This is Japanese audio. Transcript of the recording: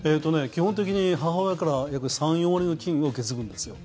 基本的に母親から約３４割の菌を受け継ぐんですよ。